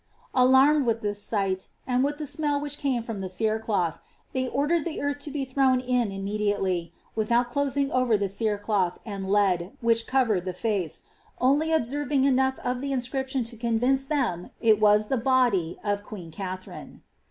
Alarmed with this Bght, and with the smell which came from the cerecloth, they ordered Im earth to be thrown in immediately, without closing over the cere doth and lead which covered the face, only observing enough of the in wription to convince them it was the body of queen Katharine.